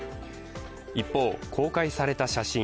一方、公開された写真。